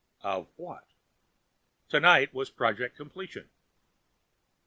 Of what? Tonight was project completion.